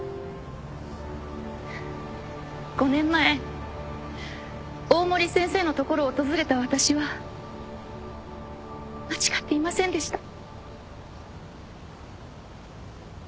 ５年前大森先生の所を訪れた私は間違っていませんでした。